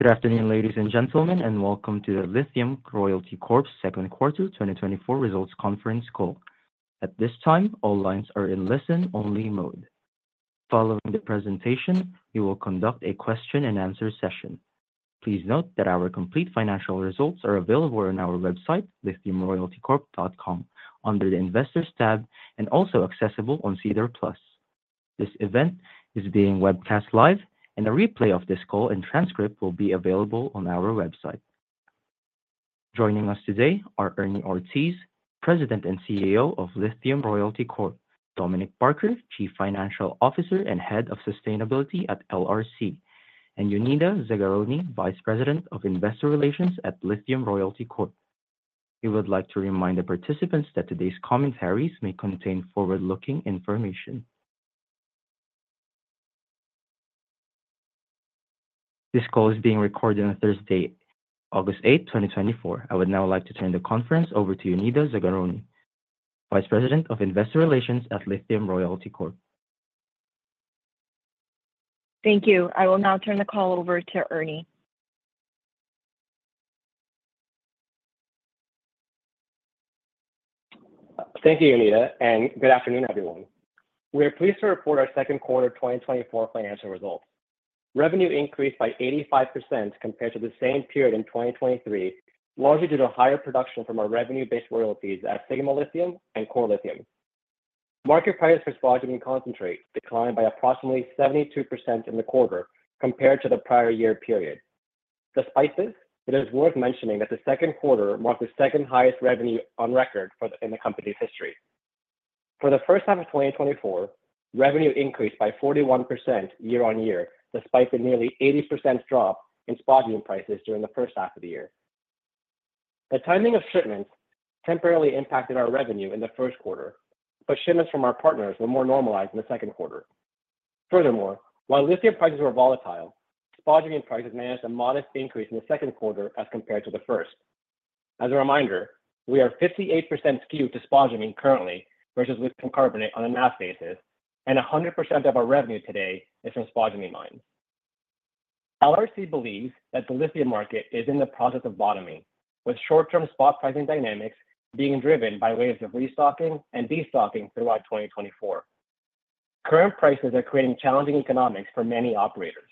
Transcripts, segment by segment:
Good afternoon, ladies and gentlemen, and Welcome to the Lithium Royalty Corp's Second Quarter 2024 Results Conference Call. At this time, all lines are in listen-only mode. Following the presentation, we will conduct a question and answer session. Please note that our complete financial results are available on our website, lithiumroyaltycorp.com, under the Investors tab, and also accessible on SEDAR+. This event is being webcast live, and a replay of this call and transcript will be available on our website. Joining us today are Ernie Ortiz, President and CEO of Lithium Royalty Corp; Dominique Barker, Chief Financial Officer and Head of Sustainability at LRC; and Jonida Zaganjori, Vice President of Investor Relations at Lithium Royalty Corp. We would like to remind the participants that today's commentaries may contain forward-looking information. This call is being recorded on Thursday, August 8th, 2024. I would now like to turn the conference over to Jonida Zaganjori, Vice President of Investor Relations at Lithium Royalty Corp. Thank you. I will now turn the call over to Ernie. Thank you, Jonida, and good afternoon, everyone. We are pleased to report our second quarter 2024 financial results. Revenue increased by 85% compared to the same period in 2023, largely due to higher production from our revenue-based royalties at Sigma Lithium and Core Lithium. Market prices for spodumene concentrate declined by approximately 72% in the quarter compared to the prior year period. Despite this, it is worth mentioning that the second quarter marked the second highest revenue on record for the in the company's history. For the first half of 2024, revenue increased by 41% year-on-year, despite a nearly 80% drop in spodumene prices during the first half of the year. The timing of shipments temporarily impacted our revenue in the first quarter, but shipments from our partners were more normalized in the second quarter. Furthermore, while lithium prices were volatile, spodumene prices managed a modest increase in the second quarter as compared to the first. As a reminder, we are 58% skewed to spodumene currently, versus lithium carbonate on a mass basis, and 100% of our revenue today is from spodumene mines. LRC believes that the lithium market is in the process of bottoming, with short-term spot pricing dynamics being driven by waves of restocking and destocking throughout 2024. Current prices are creating challenging economics for many operators.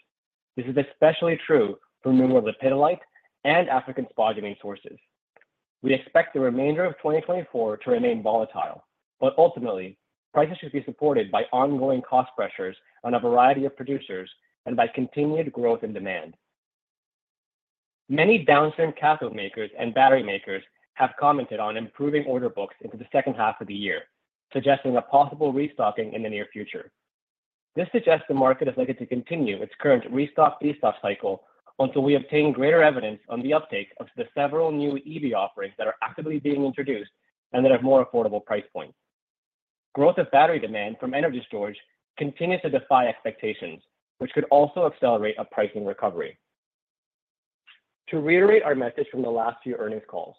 This is especially true for lepidolite and African spodumene sources. We expect the remainder of 2024 to remain volatile, but ultimately, prices should be supported by ongoing cost pressures on a variety of producers and by continued growth in demand. Many downstream cathode makers and battery makers have commented on improving order books into the second half of the year, suggesting a possible restocking in the near future. This suggests the market is likely to continue its current restock, destock cycle until we obtain greater evidence on the uptake of the several new EV offerings that are actively being introduced and that have more affordable price points. Growth of battery demand from energy storage continues to defy expectations, which could also accelerate a pricing recovery. To reiterate our message from the last few earnings calls,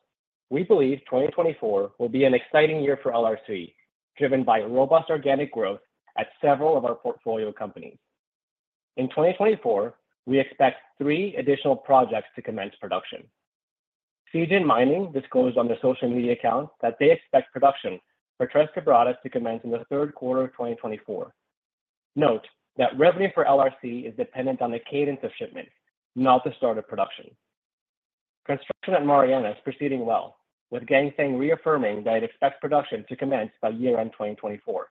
we believe 2024 will be an exciting year for LRC, driven by robust organic growth at several of our portfolio companies. In 2024, we expect three additional projects to commence production. Zijin Mining disclosed on their social media account that they expect production for Tres Quebradas to commence in the third quarter of 2024. Note that revenue for LRC is dependent on the cadence of shipment, not the start of production. Construction at Mariana is proceeding well, with Ganfeng Lithium reaffirming that it expects production to commence by year-end 2024.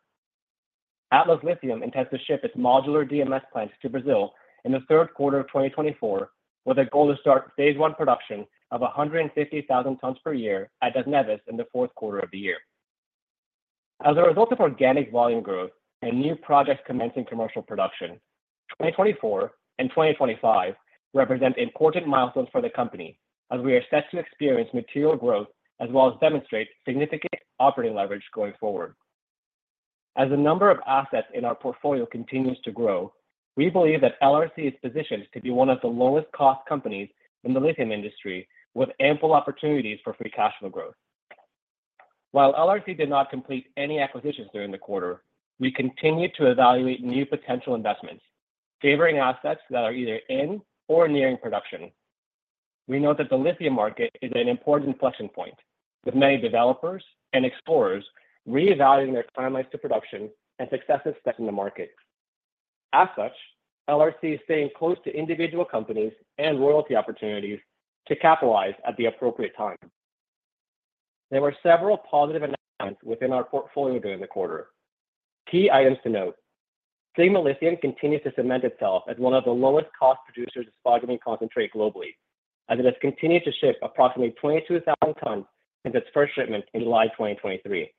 Atlas Lithium intends to ship its modular DMS plant to Brazil in the third quarter of 2024, with a goal to start phase one production of 150,000 tons per year at Das Neves in the fourth quarter of the year. As a result of organic volume growth and new projects commencing commercial production, 2024 and 2025 represent important milestones for the company, as we are set to experience material growth as well as demonstrate significant operating leverage going forward. As the number of assets in our portfolio continues to grow, we believe that LRC is positioned to be one of the lowest cost companies in the lithium industry, with ample opportunities for free cash flow growth. While LRC did not complete any acquisitions during the quarter, we continued to evaluate new potential investments, favoring assets that are either in or nearing production. We know that the lithium market is at an important inflection point, with many developers and explorers reevaluating their timelines to production and successes set in the market. As such, LRC is staying close to individual companies and royalty opportunities to capitalize at the appropriate time. There were several positive announcements within our portfolio during the quarter. Key items to note: Sigma Lithium continues to cement itself as one of the lowest cost producers of spodumene concentrate globally, as it has continued to ship approximately 22,000 tons since its first shipment in July 2023.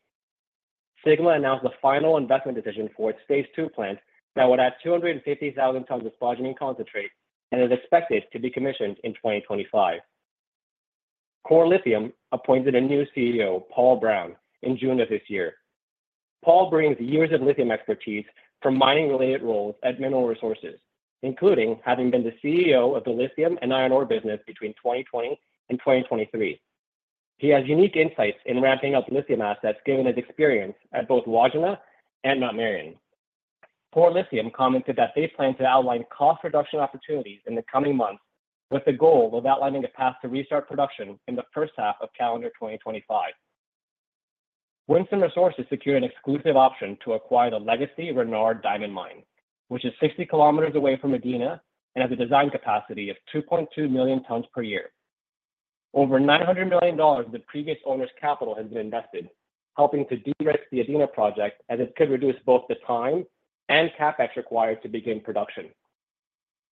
Sigma announced the final investment decision for its phase 2 plant that would add 250,000 tons of spodumene concentrate and is expected to be commissioned in 2025. Core Lithium appointed a new CEO, Paul Brown, in June of this year. Paul brings years of lithium expertise from mining-related roles at Mineral Resources, including having been the CEO of the lithium and iron ore business between 2020 and 2023. He has unique insights in ramping up lithium assets, given his experience at both Wodgina and Mount Marion.... Core Lithium commented that they plan to outline cost reduction opportunities in the coming months, with the goal of outlining a path to restart production in the first half of calendar 2025. Winsome Resources secured an exclusive option to acquire the legacy Renard Diamond Mine, which is 60 kilometers away from Adina and has a design capacity of 2.2 million tons per year. Over $900 million of the previous owner's capital has been invested, helping to de-risk the Adina project, as it could reduce both the time and CapEx required to begin production.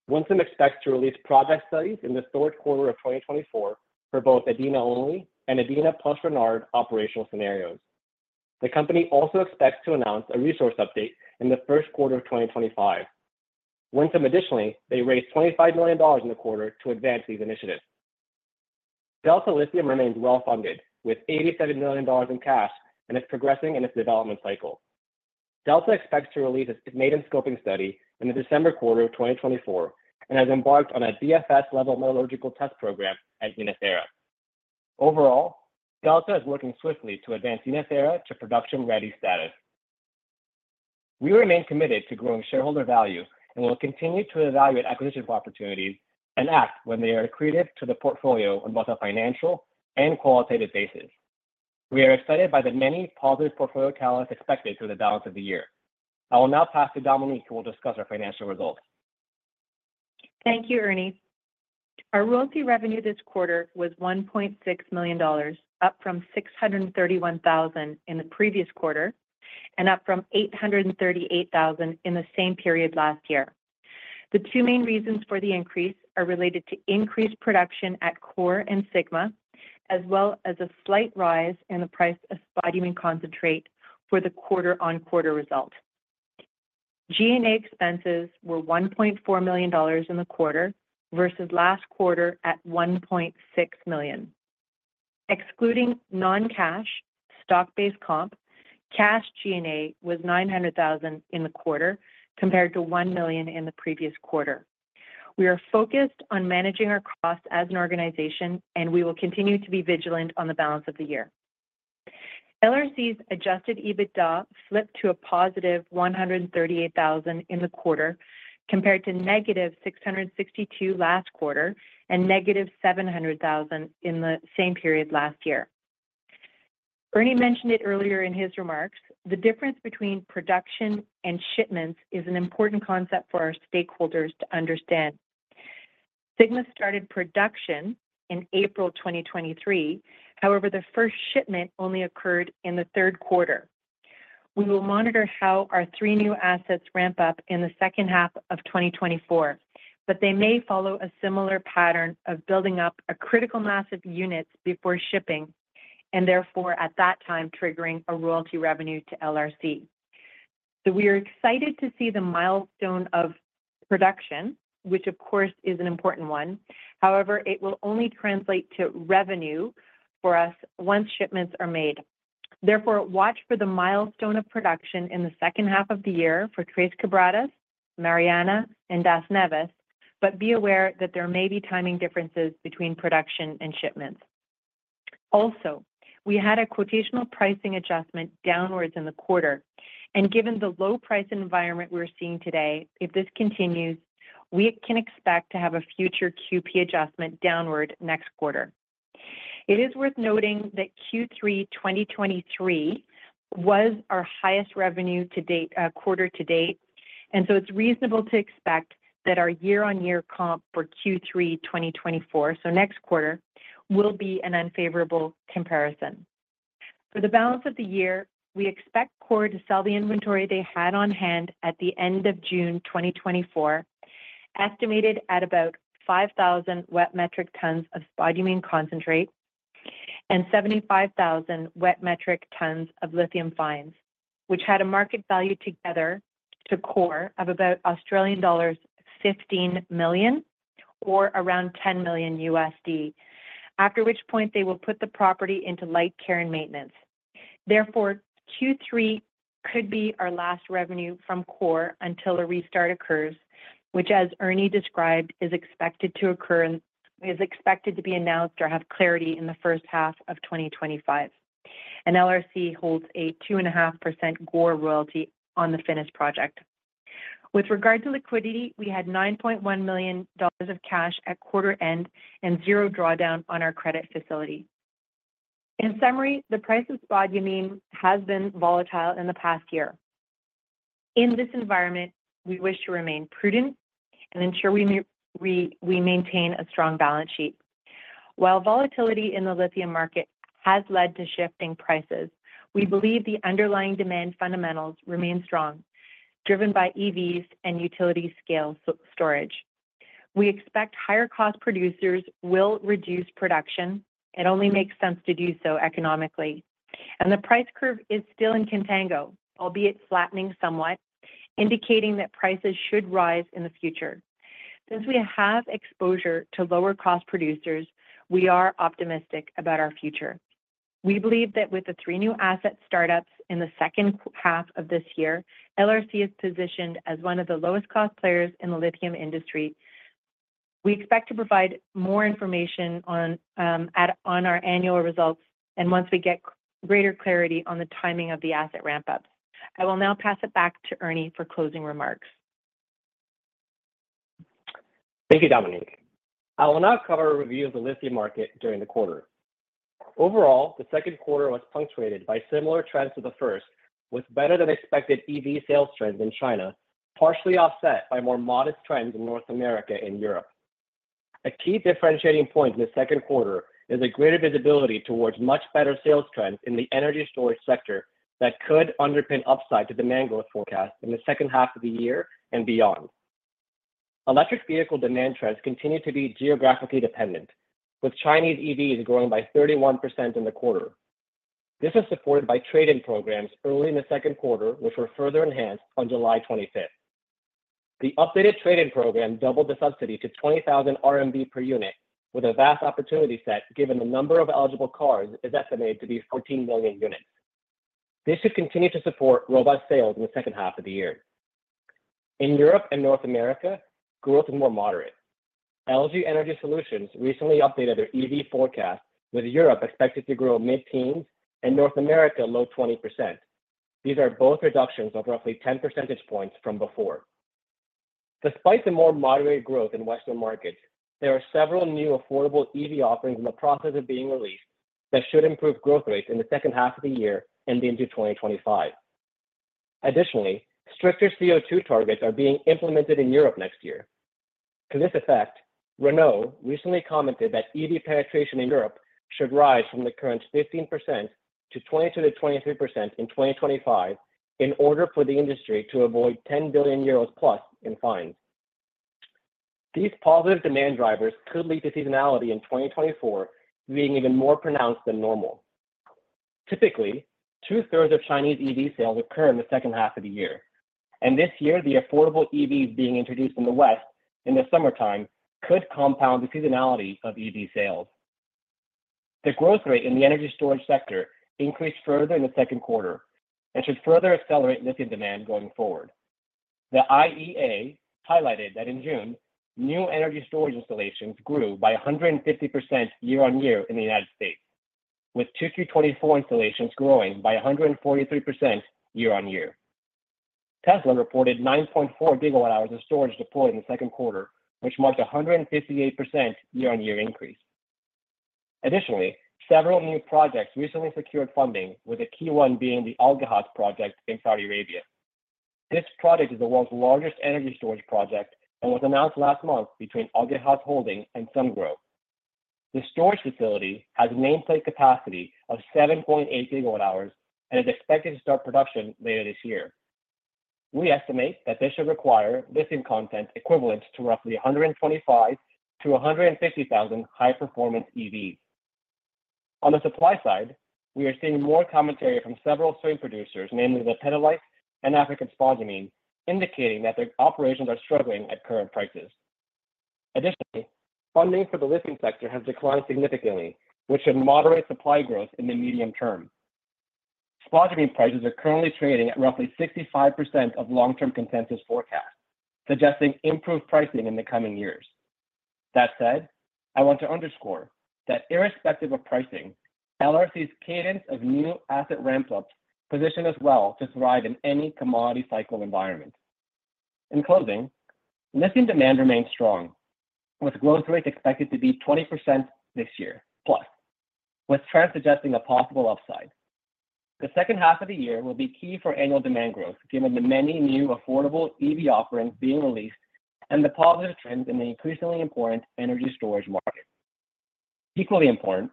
Winsome expects to release project studies in the fourth quarter of 2024 for both Adina only and Adina plus Renard operational scenarios. The company also expects to announce a resource update in the first half of 2025. Winsome, additionally, they raised $25 million in the quarter to advance these initiatives. Delta Lithium remains well-funded, with $87 million in cash and is progressing in its development cycle. Delta expects to release its maiden scoping study in the December quarter of 2024 and has embarked on a DFS-level metallurgical test program at Yinnetharra. Overall, Delta is working swiftly to advance Yinnetharra to production-ready status. We remain committed to growing shareholder value and will continue to evaluate acquisition opportunities and act when they are accretive to the portfolio on both a financial and qualitative basis. We are excited by the many positive portfolio catalysts expected through the balance of the year. I will now pass to Dominique, who will discuss our financial results. Thank you, Ernie. Our royalty revenue this quarter was $1.6 million, up from $631,000 in the previous quarter and up from $838,000 in the same period last year. The two main reasons for the increase are related to increased production at Core and Sigma, as well as a slight rise in the price of spodumene concentrate for the quarter-on-quarter result. G&A expenses were $1.4 million in the quarter, versus last quarter at $1.6 million. Excluding non-cash, stock-based comp, cash G&A was $900,000 in the quarter, compared to $1 million in the previous quarter. We are focused on managing our costs as an organization, and we will continue to be vigilant on the balance of the year. LRC's adjusted EBITDA slipped to a positive $138,000 in the quarter, compared to negative $662,000 last quarter and negative $700,000 in the same period last year. Ernie mentioned it earlier in his remarks: the difference between production and shipments is an important concept for our stakeholders to understand. Sigma started production in April 2023. However, the first shipment only occurred in the third quarter. We will monitor how our three new assets ramp up in the second half of 2024, but they may follow a similar pattern of building up a critical mass of units before shipping, and therefore, at that time, triggering a royalty revenue to LRC. So we are excited to see the milestone of production, which of course, is an important one. However, it will only translate to revenue for us once shipments are made. Therefore, watch for the milestone of production in the second half of the year for Tres Quebradas, Mariana, and Das Neves, but be aware that there may be timing differences between production and shipments. Also, we had a quotational pricing adjustment downwards in the quarter, and given the low price environment we're seeing today, if this continues, we can expect to have a future QP adjustment downward next quarter. It is worth noting that Q3 2023 was our highest revenue to date, quarter to date, and so it's reasonable to expect that our year-on-year comp for Q3 2024, so next quarter, will be an unfavorable comparison. For the balance of the year, we expect Core to sell the inventory they had on hand at the end of June 2024, estimated at about 5,000 wet metric tons of spodumene concentrate and 75,000 wet metric tons of lithium fines, which had a market value together to Core of about Australian dollars 15 million or around $10 million, after which point they will put the property into light care and maintenance. Therefore, Q3 could be our last revenue from Core until a restart occurs, which, as Ernie described, is expected to occur and is expected to be announced or have clarity in the first half of 2025. And LRC holds a 2.5% GOR royalty on the finished project. With regard to liquidity, we had $9.1 million of cash at quarter end and 0 drawdown on our credit facility. In summary, the price of spodumene has been volatile in the past year. In this environment, we wish to remain prudent and ensure we maintain a strong balance sheet. While volatility in the lithium market has led to shifting prices, we believe the underlying demand fundamentals remain strong, driven by EVs and utility-scale storage. We expect higher cost producers will reduce production. It only makes sense to do so economically. And the price curve is still in contango, albeit flattening somewhat, indicating that prices should rise in the future. Since we have exposure to lower cost producers, we are optimistic about our future. We believe that with the 3 new asset startups in the second half of this year, LRC is positioned as one of the lowest cost players in the lithium industry. We expect to provide more information on our annual results, and once we get greater clarity on the timing of the asset ramp-ups. I will now pass it back to Ernie for closing remarks. Thank you, Dominique. I will now cover a review of the lithium market during the quarter. Overall, the second quarter was punctuated by similar trends to the first, with better-than-expected EV sales trends in China, partially offset by more modest trends in North America and Europe. A key differentiating point in the second quarter is a greater visibility towards much better sales trends in the energy storage sector that could underpin upside to demand growth forecast in the second half of the year and beyond. Electric vehicle demand trends continue to be geographically dependent, with Chinese EVs growing by 31% in the quarter. This is supported by trade-in programs early in the second quarter, which were further enhanced on July 25th. The updated trade-in program doubled the subsidy to 20,000 RMB per unit, with a vast opportunity set, given the number of eligible cars is estimated to be 14 million units. This should continue to support robust sales in the second half of the year. In Europe and North America, growth is more moderate. LG Energy Solutions recently updated their EV forecast, with Europe expected to grow mid-teens% and North America low 20%. These are both reductions of roughly 10 percentage points from before. Despite the more moderate growth in Western markets, there are several new affordable EV offerings in the process of being released that should improve growth rates in the second half of the year and into 2025. Additionally, stricter CO2 targets are being implemented in Europe next year. To this effect, Renault recently commented that EV penetration in Europe should rise from the current 15% to 20%-23% in 2025, in order for the industry to avoid 10 billion euros+ in fines. These positive demand drivers could lead to seasonality in 2024 being even more pronounced than normal. Typically, two-thirds of Chinese EV sales occur in the second half of the year, and this year, the affordable EVs being introduced in the West in the summertime could compound the seasonality of EV sales. The growth rate in the energy storage sector increased further in the second quarter and should further accelerate lithium demand going forward. The IEA highlighted that in June, new energy storage installations grew by 150% year-on-year in the United States, with 2Q 2024 installations growing by 143% year-on-year. Tesla reported 9.4 GWh of storage deployed in the second quarter, which marked a 158% year-on-year increase. Additionally, several new projects recently secured funding, with a key one being the AlGihaz project in Saudi Arabia. This project is the world's largest energy storage project and was announced last month between AlGihaz Holding and Sungrow. The storage facility has a nameplate capacity of 7.8 GWh and is expected to start production later this year. We estimate that this should require lithium content equivalent to roughly 125,000-150,000 high-performance EVs. On the supply side, we are seeing more commentary from several key producers, namely Livent and African spodumene, indicating that their operations are struggling at current prices. Additionally, funding for the lithium sector has declined significantly, which should moderate supply growth in the medium term. Spodumene prices are currently trading at roughly 65% of long-term consensus forecast, suggesting improved pricing in the coming years. That said, I want to underscore that irrespective of pricing, LRC's cadence of new asset ramp-ups position us well to thrive in any commodity cycle environment. In closing, lithium demand remains strong, with growth rates expected to be 20% this year, plus, with trends suggesting a possible upside. The second half of the year will be key for annual demand growth, given the many new affordable EV offerings being released and the positive trends in the increasingly important energy storage market. Equally important,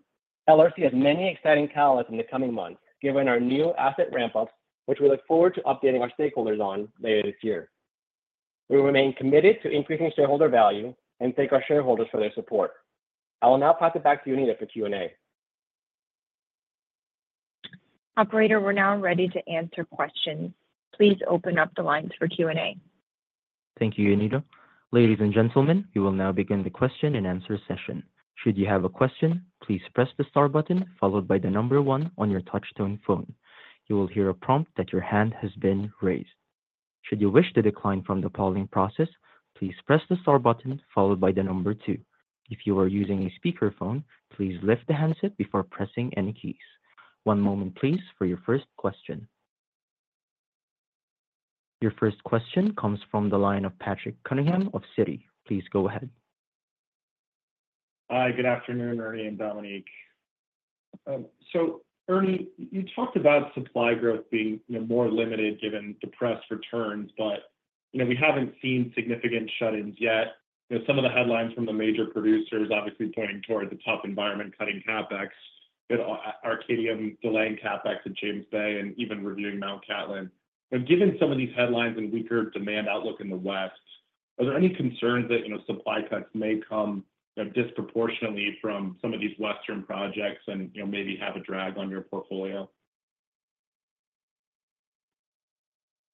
LRC has many exciting catalysts in the coming months, given our new asset ramp-ups, which we look forward to updating our stakeholders on later this year. We remain committed to increasing shareholder value and thank our shareholders for their support. I will now pass it back to Jonida for Q&A. Operator, we're now ready to answer questions. Please open up the lines for Q&A. Thank you, Jonida. Ladies and gentlemen, we will now begin the question-and-answer session. Should you have a question, please press the star button followed by the number one on your touch-tone phone. You will hear a prompt that your hand has been raised. Should you wish to decline from the polling process, please press the star button followed by the number two. If you are using a speakerphone, please lift the handset before pressing any keys. One moment, please, for your first question. Your first question comes from the line of Patrick Cunningham of Citi. Please go ahead. Hi, good afternoon, Ernie and Dominique. So Ernie, you talked about supply growth being, you know, more limited given depressed returns, but, you know, we haven't seen significant shut-ins yet. You know, some of the headlines from the major producers obviously pointing towards a tough environment, cutting CapEx, but, Arcadium delaying CapEx at James Bay and even reviewing Mount Catlin. And given some of these headlines and weaker demand outlook in the West, are there any concerns that, you know, supply cuts may come, you know, disproportionately from some of these Western projects and, you know, maybe have a drag on your portfolio?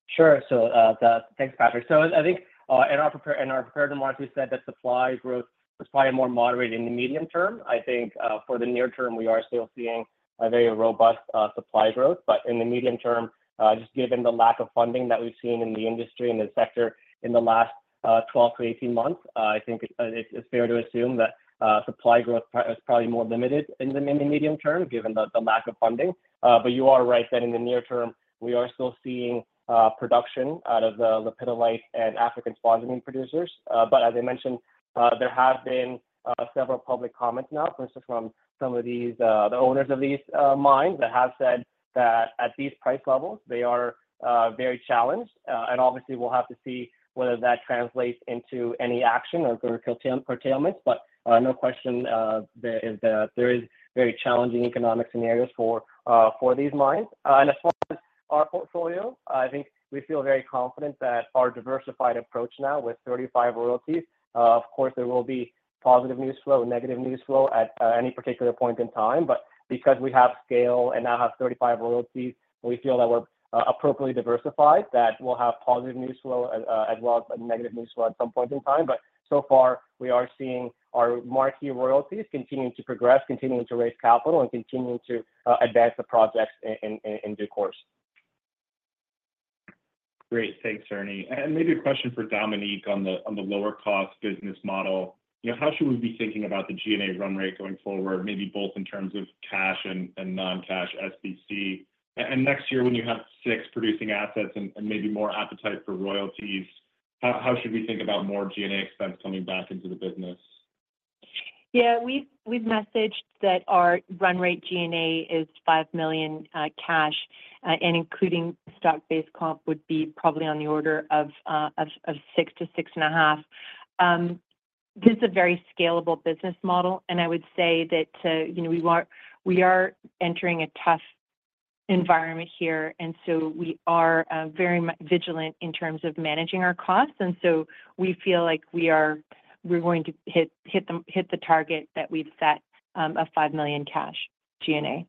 Sure. So, thanks, Patrick. So I think, in our prepared remarks, we said that supply growth was probably more moderate in the medium term. I think, for the near term, we are still seeing a very robust supply growth. But in the medium term, just given the lack of funding that we've seen in the industry and the sector in the last 12-18 months, I think it's fair to assume that supply growth is probably more limited in the mid- to medium term, given the lack of funding. But you are right that in the near term, we are still seeing production out of the lepidolite and African spodumene producers. But as I mentioned, there have been several public comments now, for instance, from some of these the owners of these mines, that have said that at these price levels, they are very challenged. Obviously, we'll have to see whether that translates into any action or through curtailment. But no question, there is very challenging economic scenarios for these mines. And as far as our portfolio, I think we feel very confident that our diversified approach now with 35 royalties, of course, there will be positive news flow, negative news flow at any particular point in time. But because we have scale and now have 35 royalties, we feel that we're appropriately diversified, that we'll have positive news flow as well as negative news flow at some point in time. But so far, we are seeing our marquee royalties continuing to progress, continuing to raise capital, and continuing to advance the projects in due course. Great. Thanks, Ernie. And maybe a question for Dominique on the, on the lower cost business model. You know, how should we be thinking about the G&A run rate going forward, maybe both in terms of cash and, and non-cash SBC? And next year, when you have six producing assets and, and maybe more appetite for royalties, how, how should we think about more G&A expense coming back into the business? Yeah, we've messaged that our run rate G&A is $5 million cash, and including stock-based comp, would be probably on the order of $6 million-$6.5 million. This is a very scalable business model, and I would say that, you know, we are entering a tough environment here, and so we are very much vigilant in terms of managing our costs, and so we feel like we are - we're going to hit the target that we've set of $5 million cash G&A.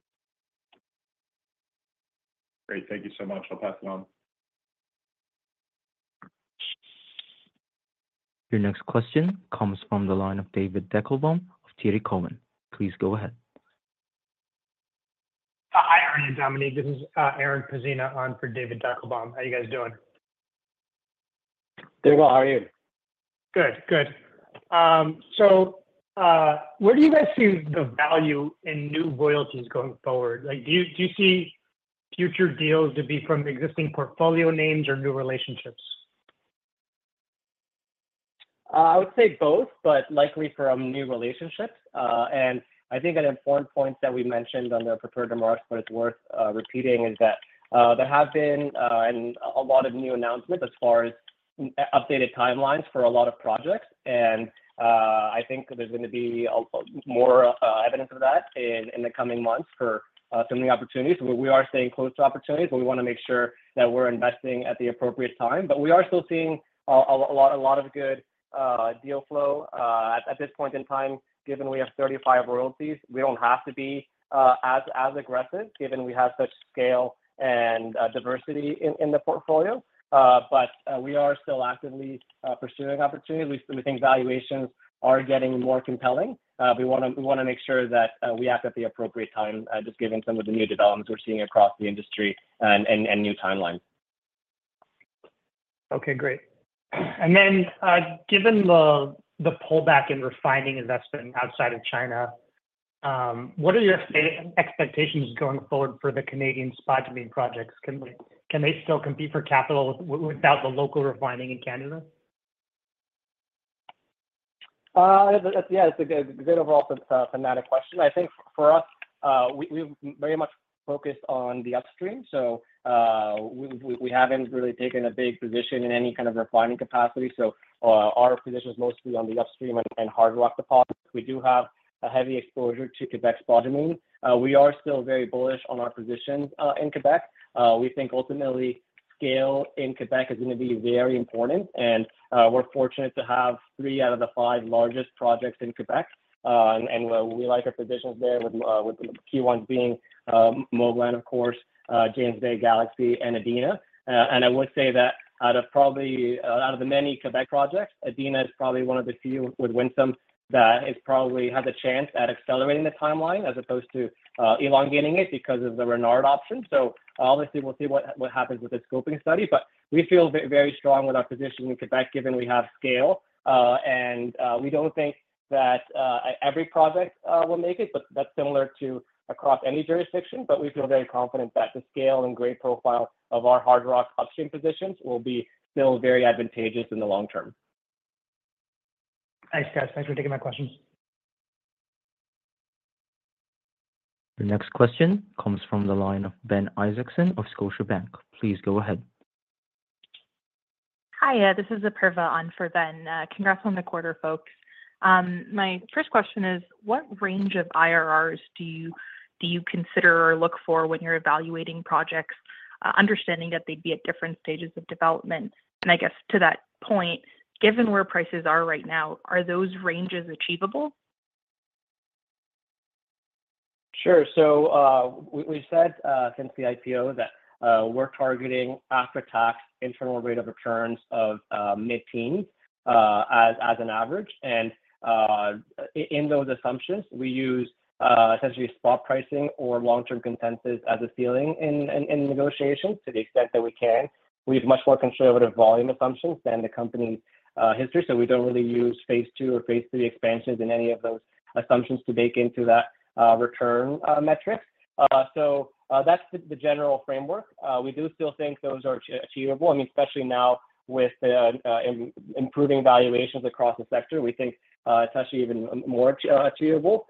Great. Thank you so much. I'll pass it on. Your next question comes from the line of David Deckelbaum of TD Cowen. Please go ahead. Hi, Ernie and Dominique. This is Aaron Pzena on for David Deckelbaum. How are you guys doing? Doing well. How are you? Good. Good. So, where do you guys see the value in new royalties going forward? Like, do you, do you see future deals to be from existing portfolio names or new relationships? I would say both, but likely from new relationships. And I think an important point that we mentioned on the prepared remarks, but it's worth repeating, is that there have been and a lot of new announcements as far as many updated timelines for a lot of projects. I think there's going to be more evidence of that in the coming months for some of the opportunities. We are staying close to opportunities, but we want to make sure that we're investing at the appropriate time. But we are still seeing a lot of good deal flow at this point in time. Given we have 35 royalties, we don't have to be as aggressive, given we have such scale and diversity in the portfolio. But we are still actively pursuing opportunities. We think valuations are getting more compelling. We wanna make sure that we act at the appropriate time, just given some of the new developments we're seeing across the industry and new timelines. Okay, great. And then, given the pullback in refining investment outside of China, what are your expectations going forward for the Canadian spodumene projects? Can they still compete for capital without the local refining in Canada? Yeah, it's a good, good overall thematic question. I think for us, we very much focus on the upstream, so we haven't really taken a big position in any kind of refining capacity. So our position is mostly on the upstream and hard rock deposits. We do have a heavy exposure to Quebec spodumene. We are still very bullish on our positions in Quebec. We think ultimately, scale in Quebec is going to be very important, and we're fortunate to have three out of the five largest projects in Quebec. We like our positions there with the key ones being Moblan, of course, James Bay, Galaxy, and Adina. And I would say that out of probably, out of the many Quebec projects, Adina is probably one of the few with Winsome that is probably has a chance at accelerating the timeline as opposed to elongating it because of the Renard option. So obviously, we'll see what happens with the scoping study, but we feel very strong with our position in Quebec, given we have scale. And we don't think that every project will make it, but that's similar to across any jurisdiction. But we feel very confident that the scale and great profile of our hard rock upstream positions will be still very advantageous in the long term. Thanks, guys. Thanks for taking my questions. The next question comes from the line of Ben Isaacson of Scotiabank. Please go ahead. Hi, this is Apurva on for Ben. Congrats on the quarter, folks. My first question is, what range of IRRs do you, do you consider or look for when you're evaluating projects, understanding that they'd be at different stages of development? And I guess to that point, given where prices are right now, are those ranges achievable? Sure. So, we, we said, since the IPO that, we're targeting after-tax internal rate of returns of, mid-teens, as, as an average. And, in those assumptions, we use, essentially spot pricing or long-term consensus as a ceiling in, in, negotiations to the extent that we can. We have much more conservative volume assumptions than the company's, history, so we don't really use phase two or phase three expansions in any of those assumptions to bake into that, return, metric. So, that's the general framework. We do still think those are achievable, I mean, especially now with the, improving valuations across the sector. We think, it's actually even more, achievable.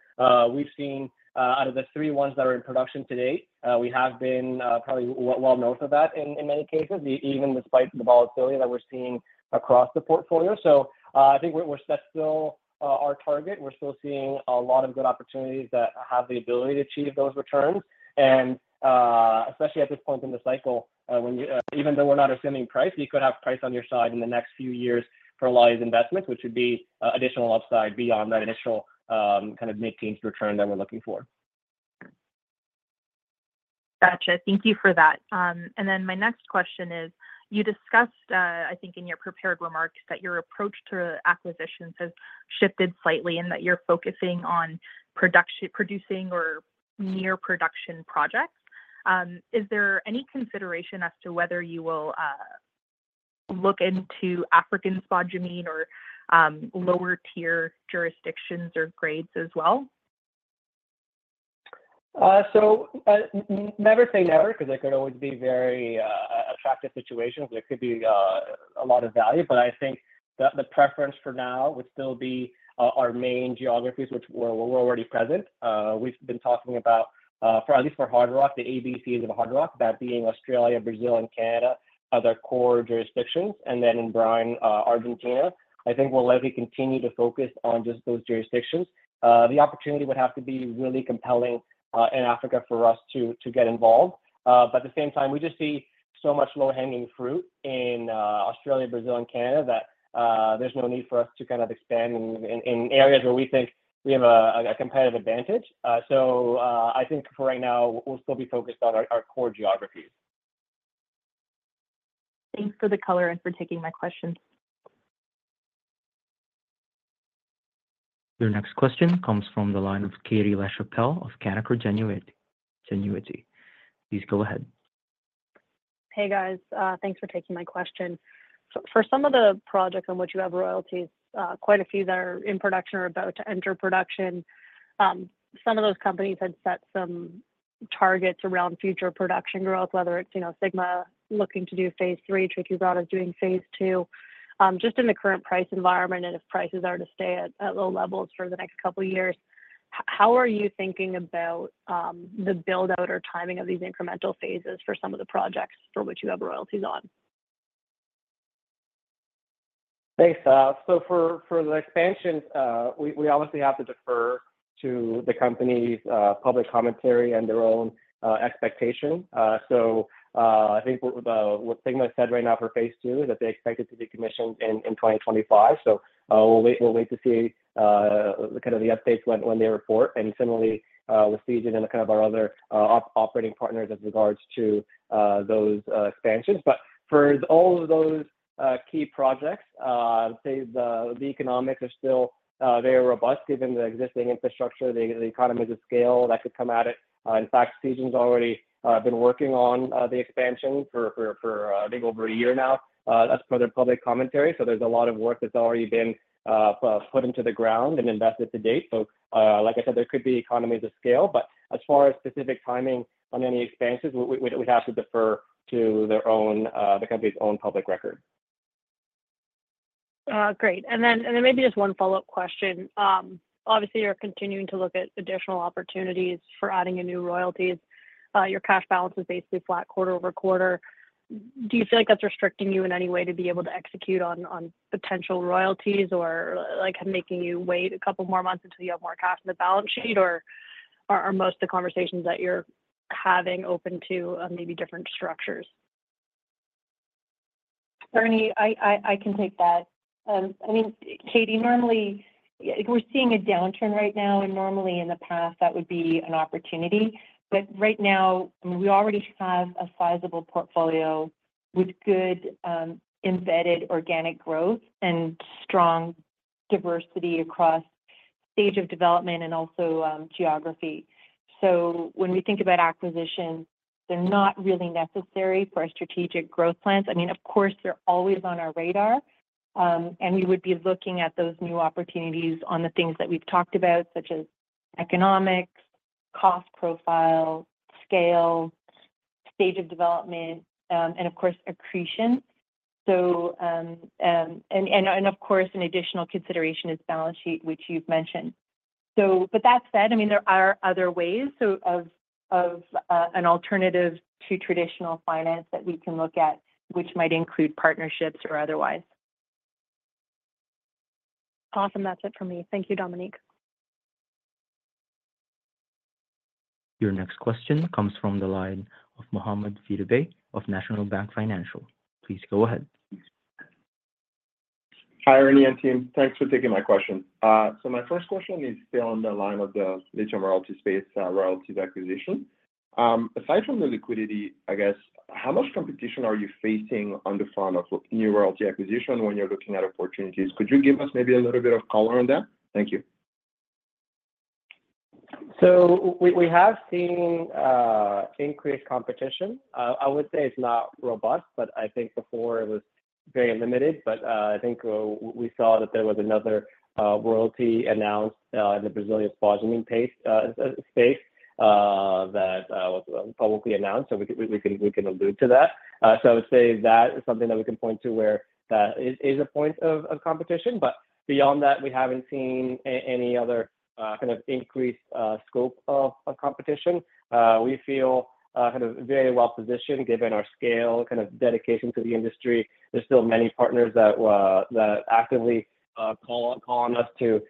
We've seen, out of the three ones that are in production to date, we have been probably well known for that in many cases, even despite the volatility that we're seeing across the portfolio. So, I think we're still set. Our target. We're still seeing a lot of good opportunities that have the ability to achieve those returns. And, especially at this point in the cycle, even though we're not assuming price, you could have price on your side in the next few years for a lot of these investments, which would be additional upside beyond that initial kind of mid-teens return that we're looking for. Gotcha. Thank you for that. And then my next question is, you discussed, I think in your prepared remarks, that your approach to acquisitions has shifted slightly, and that you're focusing on production-producing or near production projects. Is there any consideration as to whether you will look into African spodumene or lower-tier jurisdictions or grades as well? So, never say never, because they could always be very attractive situations. There could be a lot of value, but I think the preference for now would still be our main geographies, which we're already present. We've been talking about, for at least for hard rock, the ABCs of hard rock, that being Australia, Brazil, and Canada, are the core jurisdictions, and then in brine, Argentina. I think we'll likely continue to focus on just those jurisdictions. The opportunity would have to be really compelling in Africa for us to get involved. But at the same time, we just see so much low-hanging fruit in Australia, Brazil, and Canada, that there's no need for us to kind of expand in areas where we think we have a competitive advantage. So, I think for right now, we'll still be focused on our, our core geographies. Thanks for the color and for taking my question. Your next question comes from the line of Katie Lachapelle of Canaccord Genuity. Please go ahead. Hey, guys. Thanks for taking my question. So for some of the projects on which you have royalties, quite a few that are in production or about to enter production, some of those companies had set some targets around future production growth, whether it's, you know, Sigma looking to do phase III, Tres Quebradas is doing phase II. Just in the current price environment, and if prices are to stay at low levels for the next couple of years, how are you thinking about the build-out or timing of these incremental phases for some of the projects for which you have royalties on? Thanks, so for the expansion, we obviously have to defer to the company's public commentary and their own expectation. So, I think what Sigma said right now for phase II is that they expect it to be commissioned in 2025. So, we'll wait to see kind of the updates when they report, and similarly with Sigma and kind of our other operating partners as regards to those expansions. But for all of those key projects, say, the economics are still very robust, given the existing infrastructure, the economies of scale that could come at it. In fact, Sigma's already been working on the expansion for, I think, over a year now, as per their public commentary. So there's a lot of work that's already been put into the ground and invested to date. Like I said, there could be economies of scale, but as far as specific timing on any expansions, we'd have to defer to their own, the company's own public record. Great. And then maybe just one follow-up question. Obviously, you're continuing to look at additional opportunities for adding new royalties. Your cash balance is basically flat quarter over quarter. Do you feel like that's restricting you in any way to be able to execute on potential royalties, or, like, making you wait a couple more months until you have more cash on the balance sheet, or are most of the conversations that you're having open to maybe different structures? Ernie, I can take that. I mean, Katie, normally, if we're seeing a downturn right now, and normally in the past, that would be an opportunity. But right now, we already have a sizable portfolio with good, embedded organic growth and strong diversity across stage of development and also, geography. So when we think about acquisitions, they're not really necessary for our strategic growth plans. I mean, of course, they're always on our radar, and we would be looking at those new opportunities on the things that we've talked about, such as economics, cost profile, scale, stage of development, and of course, accretion. So, and of course, an additional consideration is balance sheet, which you've mentioned. So, but that said, I mean, there are other ways, so of an alternative to traditional finance that we can look at, which might include partnerships or otherwise. Awesome. That's it for me. Thank you, Dominique. Your next question comes from the line of Mohamed Sidibé of National Bank Financial. Please go ahead. Hi, Ernie and team. Thanks for taking my question. So my first question is still on the line of the lithium royalty space, royalty acquisition. Aside from the liquidity, I guess, how much competition are you facing on the front of new royalty acquisition when you're looking at opportunities? Could you give us maybe a little bit of color on that? Thank you. So we have seen increased competition. I would say it's not robust, but I think before it was very limited. But I think we saw that there was another royalty announced in the Brazilian phosphate space that was publicly announced, so we can allude to that. So I would say that is something that we can point to where it is a point of competition, but beyond that, we haven't seen any other kind of increased scope of competition. We feel kind of very well positioned, given our scale, kind of dedication to the industry. There's still many partners that that actively call call on us to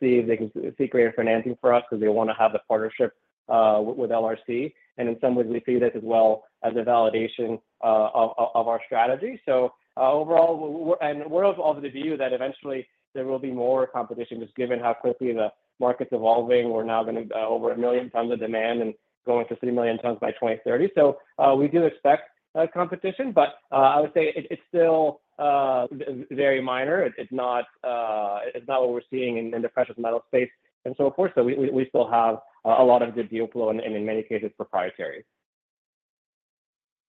see if they can seek greater financing for us because they want to have the partnership with LRC. And in some ways, we see this as well as a validation of our strategy. So overall and we're of the view that eventually there will be more competition, just given how quickly the market's evolving. We're now going to over 1 million tons of demand and going to 3 million tons by 2030. So we do expect competition, but I would say it it's still very minor. It's not it's not what we're seeing in the precious metal space, and so forth. So we still have a lot of good deal flow, and in many cases, proprietary.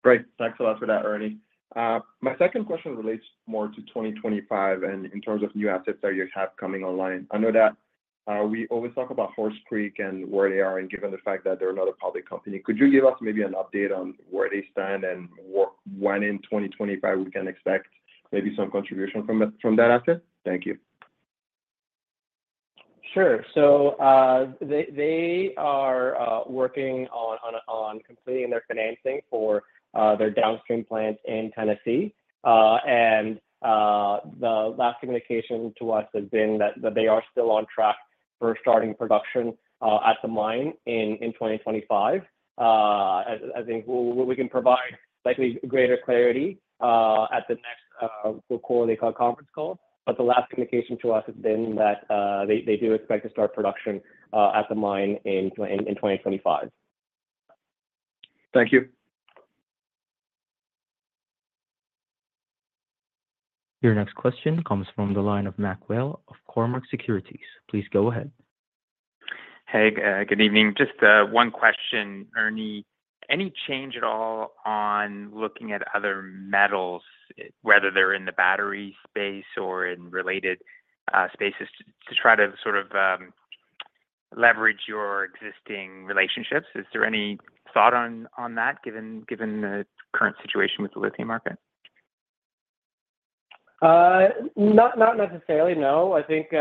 Great. Thanks a lot for that, Ernie. My second question relates more to 2025, and in terms of new assets that you have coming online. I know that we always talk about Horse Creek and where they are, and given the fact that they're not a public company, could you give us maybe an update on where they stand and when in 2025 we can expect maybe some contribution from, from that asset? Thank you. Sure. So, they are working on completing their financing for their downstream plant in Tennessee. The last communication to us has been that they are still on track for starting production at the mine in 2025. I think we can provide likely greater clarity at the next quarterly conference call. But the last communication to us has been that they do expect to start production at the mine in 2025. Thank you. Your next question comes from the line of Mac Whale of Cormark Securities. Please go ahead. Hey, good evening. Just one question, Ernie. Any change at all on looking at other metals, whether they're in the battery space or in related spaces, to try to sort of leverage your existing relationships? Is there any thought on that, given the current situation with the lithium market? Not necessarily, no. I think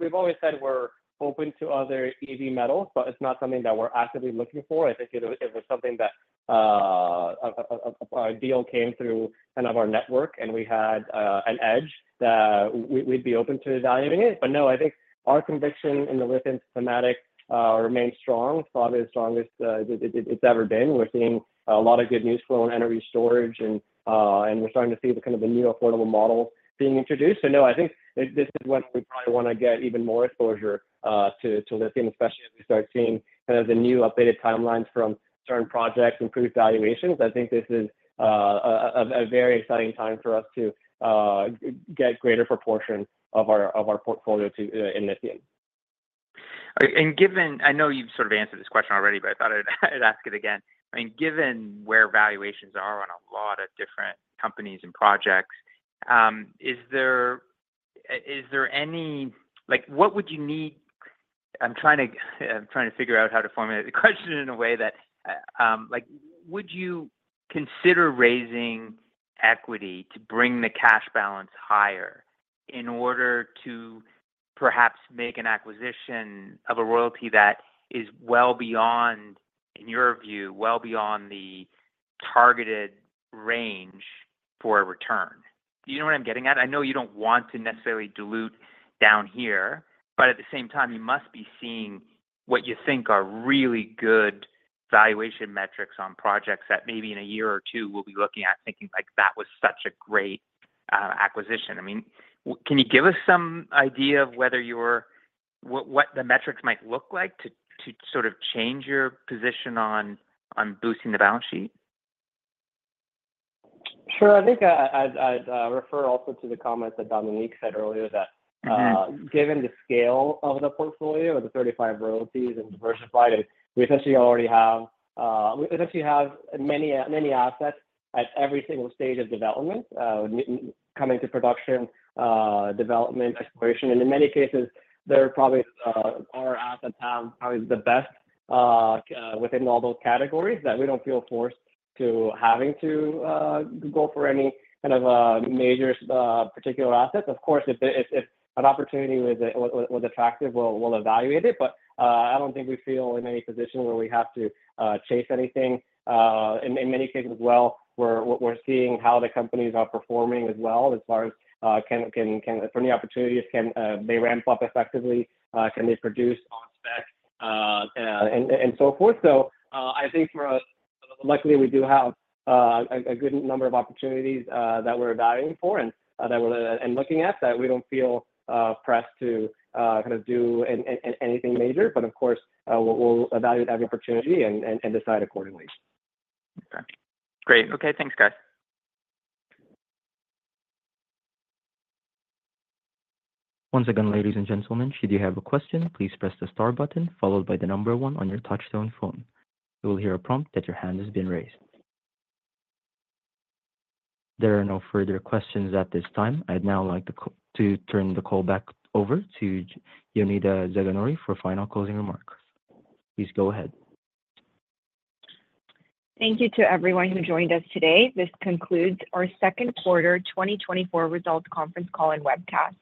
we've always said we're open to other EV metals, but it's not something that we're actively looking for. I think if it's something that a deal came through kind of our network and we had an edge, we would be open to evaluating it. But no, I think our conviction in the lithium thematic remains strong, probably the strongest, it's ever been. We're seeing a lot of good news flow in energy storage, and we're starting to see the kind of a new affordable model being introduced. So no, I think this is when we probably want to get even more exposure to lithium, especially as we start seeing kind of the new updated timelines from certain projects, improved valuations. I think this is a very exciting time for us to get greater proportion of our portfolio in lithium. And given... I know you've sort of answered this question already, but I thought I'd, I'd ask it again. I mean, given where valuations are on a lot of different companies and projects, is there, i- is there any-- Like, what would you need-- I'm trying to, I'm trying to figure out how to formulate the question in a way that, like, would you consider raising equity to bring the cash balance higher in order to perhaps make an acquisition of a royalty that is well beyond, in your view, well beyond the targeted range for a return? Do you know what I'm getting at? I know you don't want to necessarily dilute down here, but at the same time, you must be seeing what you think are really good valuation metrics on projects that maybe in a year or two, we'll be looking at thinking, like, that was such a great acquisition. I mean, can you give us some idea of whether you're... What, what the metrics might look like to, to sort of change your position on, on boosting the balance sheet? Sure. I think I'd refer also to the comments that Dominique said earlier, that- Mm-hmm… given the scale of the portfolio, with the 35 royalties and diversified, we essentially already have, we essentially have many, many assets at every single stage of development, coming to production, development, exploration. And in many cases, there probably are at the time, probably the best within all those categories, that we don't feel forced to having to go for any kind of major, particular assets. Of course, if an opportunity was attractive, we'll evaluate it, but I don't think we feel in any position where we have to chase anything. In many cases as well, we're seeing how the companies are performing as well as far as, from the opportunities, can they ramp up effectively? Can they produce on spec, and so forth? So, I think for us, luckily, we do have a good number of opportunities that we're evaluating for and that we're looking at, that we don't feel pressed to kind of do anything major. But of course, we'll evaluate every opportunity and decide accordingly. Okay. Great. Okay, thanks, guys. Once again, ladies and gentlemen, should you have a question, please press the star button followed by the number one on your touchtone phone. You will hear a prompt that your hand has been raised. There are no further questions at this time. I'd now like to turn the call back over to Jonida Zaganjori for final closing remarks. Please go ahead. Thank you to everyone who joined us today. This concludes our second quarter 2024 results conference call and webcast.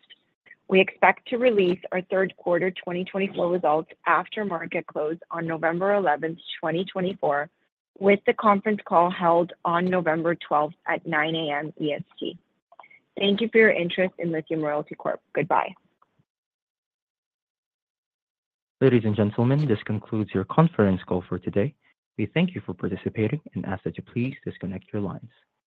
We expect to release our third quarter 2024 results after market close on November 11, 2024, with the conference call held on November 12 at 9:00 A.M. EST. Thank you for your interest in Lithium Royalty Corp. Goodbye. Ladies and gentlemen, this concludes your conference call for today. We thank you for participating and ask that you please disconnect your lines.